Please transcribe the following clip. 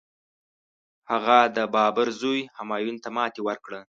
هغه د بابر زوی همایون ته ماتي ورکړه.